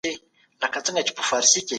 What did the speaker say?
آدم ع ته د نومونو پوهه ورکړل سوه.